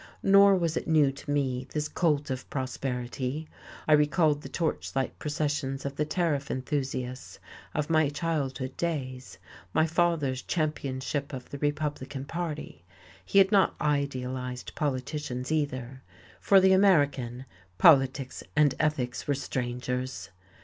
Nor was it new to me; this cult of prosperity. I recalled the torch light processions of the tariff enthusiasts of my childhood days, my father's championship of the Republican Party. He had not idealized politicians, either. For the American, politics and ethics were strangers.